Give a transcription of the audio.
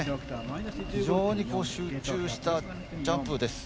非常に集中したジャンプです。